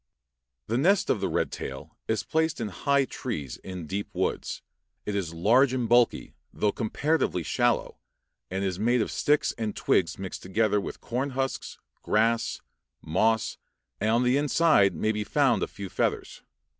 The nest of the red tail is placed in high trees in deep woods; it is large and bulky, though comparatively shallow, and is made of sticks and twigs mixed together with corn husks, grass, moss, and on the inside may be found a few feathers.